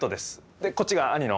でこっちが兄の。